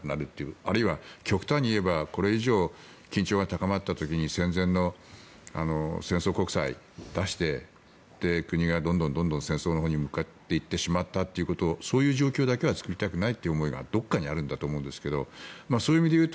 あるいは極端にいえばこれ以上緊張が高まった時に戦前の戦争国債を出して国がどんどん戦争に向かってしまったことそういう状況だけは作りたくないという思いがどこかにあると思うんですがそういう意味で言うと